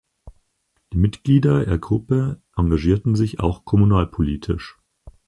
Die Mitglieder er Gruppe engagierten sich auch kommunalpolitisch.